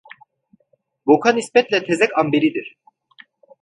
Boka nispetle tezek amberidir.